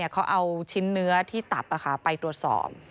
เขาเอาชิ้นเนื้อที่ตับไปตรวจสอบ